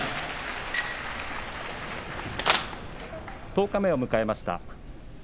十日目を迎えました。